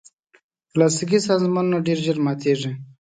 پلاستيکي سامانونه ډېر ژر ماتیږي.